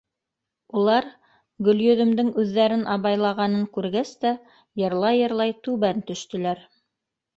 Улар, Гөлйөҙөмдөң үҙҙәрен абайлағанын күргәс тә, йырлай-йырлай түбән төштөләр.